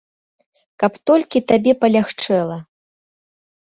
Каб толькі табе палягчэла.